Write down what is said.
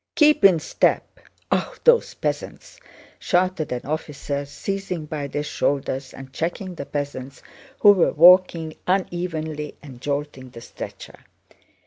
"Keep in step! Ah... those peasants!" shouted an officer, seizing by their shoulders and checking the peasants, who were walking unevenly and jolting the stretcher.